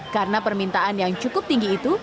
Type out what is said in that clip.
karena permintaan yang cukup tinggi itu